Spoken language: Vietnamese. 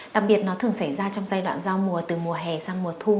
đặc biệt nó thường xảy ra trong giai đoạn giao mùa từ mùa hè sang mùa thu